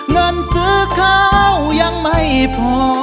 เงินซื้อข้าวยังไม่พอ